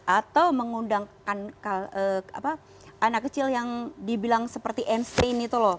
atau mengundang anak kecil yang dibilang seperti andstain itu loh